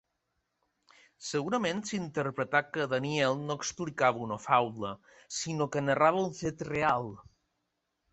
Segurament s'interpretà que Daniel no explicava una faula, sinó que narrava un fet real.